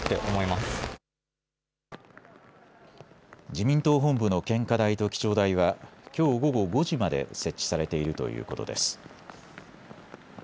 自民党本部の献花台と記帳台はきょう午後５時まで設置されているということです。